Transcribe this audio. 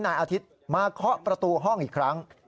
นายอาทิตย์มาเคาะประตูห้องอีกครั้ง